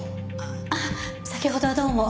あっ先ほどはどうも。